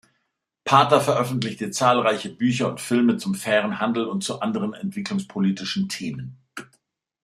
Pater veröffentlichte zahlreiche Bücher und Filme zum fairen Handel und zu anderen entwicklungspolitischen Themen.